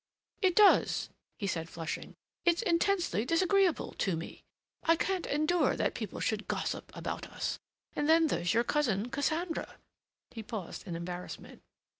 "It does," he said, flushing. "It's intensely disagreeable to me. I can't endure that people should gossip about us. And then there's your cousin—Cassandra—" He paused in embarrassment.